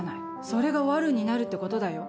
それが悪女になるってことだよ。